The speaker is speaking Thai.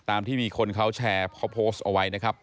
ที่มีคนเขาแชร์เขาโพสต์เอาไว้นะครับ